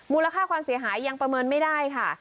ค่าความเสียหายยังประเมินไม่ได้ค่ะ